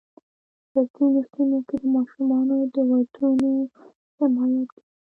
په ځینو سیمو کې د ماشومانو د ودونو حمایت کېږي.